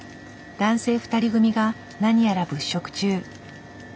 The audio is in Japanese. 男性２人組が何やら物色中。